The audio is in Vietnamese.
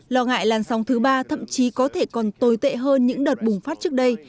lo ngại làn sóng thứ ba thậm chí có thể còn tồi tệ hơn những đợt bùng phát trước đây